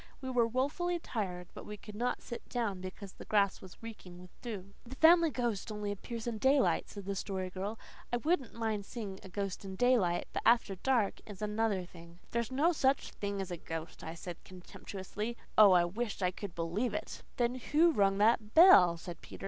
We were woefully tired, but we could not sit down because the grass was reeking with dew. "The Family Ghost only appears in daylight," said the Story Girl. "I wouldn't mind seeing a ghost in daylight. But after dark is another thing." "There's no such thing as a ghost," I said contemptuously. Oh, how I wished I could believe it! "Then what rung that bell?" said Peter.